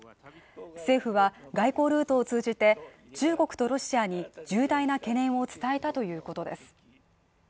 政府は外交ルート通じて中国とロシアに重大な懸念を伝えたということです。